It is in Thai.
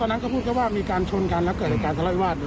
ตอนนั้นเขาพูดก็ว่ามีการชนกันและเกิดการทะเลาวิวาส